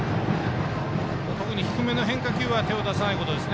特に低めの変化球に手を出さないことです。